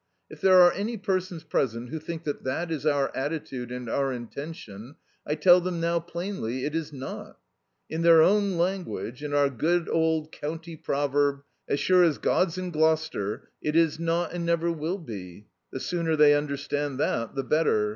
If there are any persons present who think that that is our attitude and our intention, I tell them now plainly it is not. In their own language, in our good old county proverb: 'As sure as God's in Gloucester,' it is not and never will be. The sooner they understand that the better.